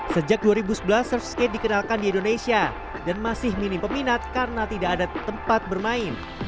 sejak dua ribu sebelas surfskate dikenalkan di indonesia dan masih minim peminat karena tidak ada tempat bermain